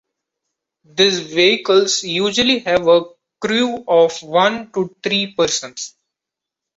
These vehicles usually have a crew of one to three persons.